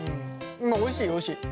おいしいおいしい。